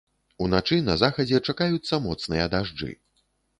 Уначы на захадзе чакаюцца моцныя дажджы.